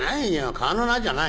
川の名じゃない」。